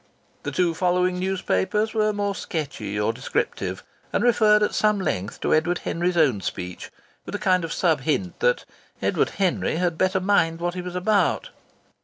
The two following newspapers were more sketchy or descriptive, and referred at some length to Edward Henry's own speech, with a kind of sub hint that Edward Henry had better mind what he was about.